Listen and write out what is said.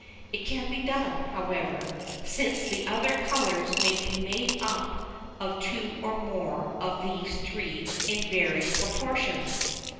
It can be done, however, since the other colours may be made up of two or more of these three in varying proportions.